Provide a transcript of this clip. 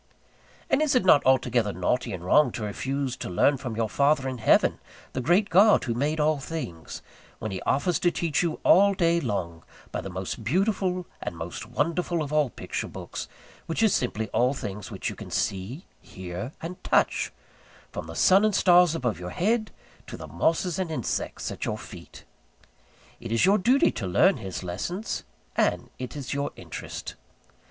And is it not altogether naughty and wrong to refuse to learn from your Father in Heaven, the Great God who made all things, when he offers to teach you all day long by the most beautiful and most wonderful of all picture books, which is simply all things which you can see, hear, and touch, from the sun and stars above your head to the mosses and insects at your feet? It is your duty to learn His lessons: and it is your interest.